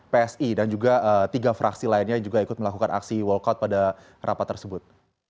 psi dan juga tiga fraksi lainnya juga ikut melakukan aksi walkout pada rapat tersebut